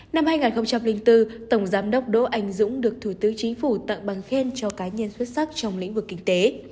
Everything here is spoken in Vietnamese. năm hai nghìn bốn tổng giám đốc đỗ anh dũng được thủ tướng chính phủ tặng bằng khen cho cá nhân xuất sắc trong lĩnh vực kinh tế